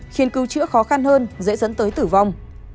khiến cứu chữa khó khăn hơn dễ dẫn tới tử vong